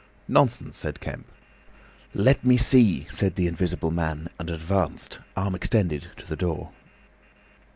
"Nonsense," said Kemp. "Let me see," said the Invisible Man, and advanced, arm extended, to the door.